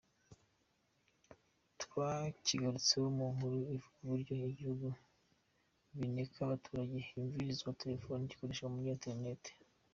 Twakigarutseho mu nkuru ivuga Uburyo ibihugu bineka abaturage humvirizwa telefoni n’ibikorerwa kuri internet.